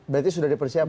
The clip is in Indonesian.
berarti sudah dipersiapkan